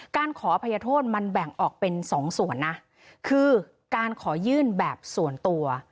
การขออภัยโทษมันแบ่งออกเป็นสองส่วนนะคือการขอยื่นแบบส่วนตัว